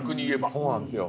そうなんですよ。